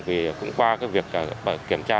vì cũng qua việc kiểm tra